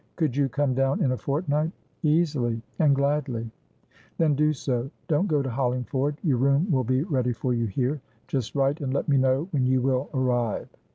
"Could you come down in a fortnight?" "Easily, and gladly." "Then do so. Don't go to Hollingford; your room will be ready for you here. Just write and let me know when you will arrive."